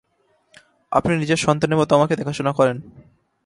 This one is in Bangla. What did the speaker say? আপনি নিজের সন্তানের মতো আমাকে দেখাশোনা করেন।